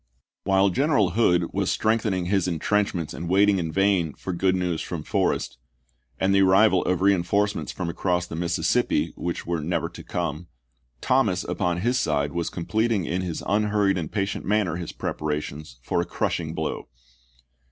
While General Hood was strengthening his in trenchments and waiting in vain for good news from Forrest, and the arrival of reinforcements from across the Mississippi, which were never to come, Thomas upon his side was completing in his unhurried and patient manner his preparations for a crushing blow.